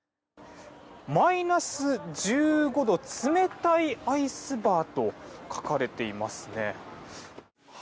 「マイナス１５度つめたいＩＣＥＢＡＲ」と書かれていますね。